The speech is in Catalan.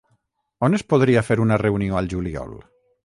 On es podria fer una reunió al juliol?